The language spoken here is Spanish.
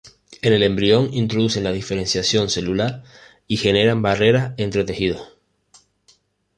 En el embrión inducen la diferenciación celular, y generan barreras entre tejidos.